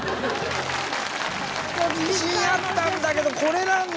自信あったんだけどこれなんだ。